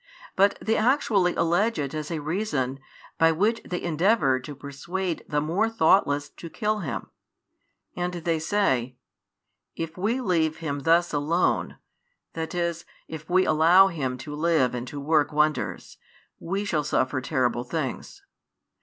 But they actually allege it as a reason, by which they endeavoured to persuade the more thoughtless to kill Him; and they say: If we leave Him thus alone, that is, if we allow Him to live and to work wonders, we shall suffer terrible things.